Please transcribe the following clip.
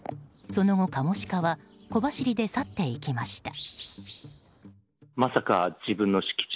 その後、カモシカは小走りで去っていきました。